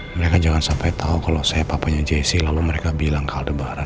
mereka jangan sampai tahu kalau saya papanya jesse lalu mereka bilang kaldebaran